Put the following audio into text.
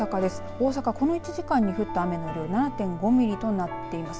大阪、この１時間に降った雨の量７．５ミリとなっております。